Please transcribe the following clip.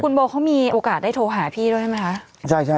คุณโบเขามีโอกาสได้โทรหาพี่ด้วยไหมคะ